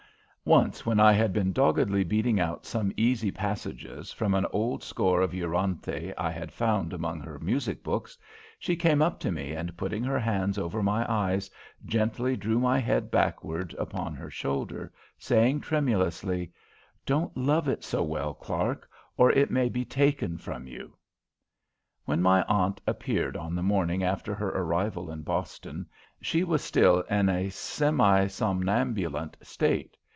Once when I had been doggedly beating out some easy passages from an old score of Euryanthe I had found among her music books, she came up to me and, putting her hands over my eyes, gently drew my head back upon her shoulder, saying tremulously, "Don't love it so well, Clark, or it may be taken from you." When my aunt appeared on the morning after her arrival in Boston, she was still in a semi somnambulant state.